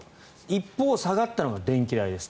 一方、下がったのは電気代です。